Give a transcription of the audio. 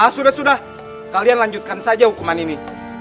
ah sudah sudah kalian lanjutkan saja hukuman ini